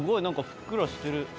なんかふっくらしてる。